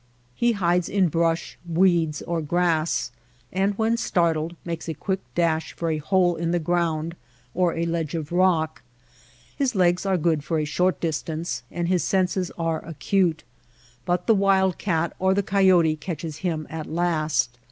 He hides in brush, weeds, or grass ; and when startled makes a quick dash for a hole in the ground or a ledge of rock. His legs are good for a short distance, and his senses are acute ; but the wild cat or the coyote catches him at last.